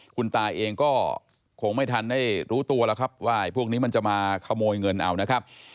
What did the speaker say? คุณตาเองก็คงไม่ทันได้รู้ตัวแล้วครับว่าพวกนี้มันจะมาขโมยเงินเอานะครับ